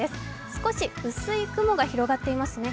少し薄い雲が広がっていますね。